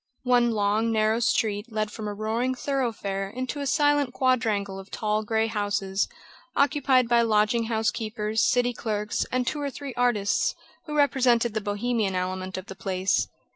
One long, narrow street led from a roaring thoroughfare into a silent quadrangle of tall grey houses, occupied by lodging house keepers, city clerks and two or three artists, who represented the Bohemian element of the place.